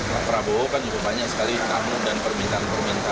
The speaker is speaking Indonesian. pak prabowo kan juga banyak sekali tamu dan permintaan permintaan